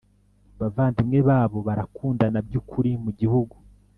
bavandimwe babo barakundana by ukuri Mu gihugu